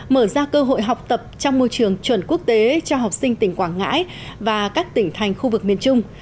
mở ra cơ hội học tập trong môi trường chuẩn quốc tế cho học sinh tỉnh quảng ngãi và các tỉnh thành khu vực miền trung